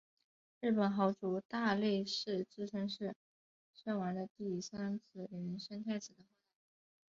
日本豪族大内氏自称是圣王的第三子琳圣太子的后代。